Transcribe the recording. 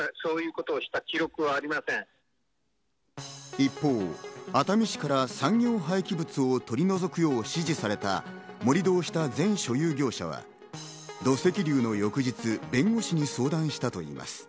一方、熱海市から産業廃棄物を取り除くよう指示された盛り土をした、前所有業者は土石流の翌日弁護士に相談したといいます。